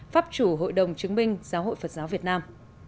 pháp chủ hội đồng chứng minh giáo hội phật giáo việt nam